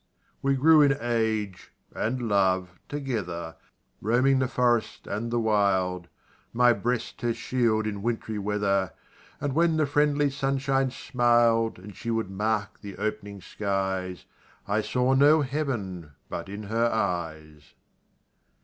We grew in age and love together, Roaming the forest, and the wild; My breast her shield in wintry weather And when the friendly sunshine smil'd, And she would mark the opening skies, I saw no Heaven but in her eyes.